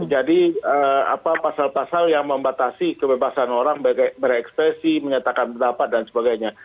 jadi apa pasal pasal yang membatasi kebebasan orang berekspresi menyatakan pendapat dan sebagainya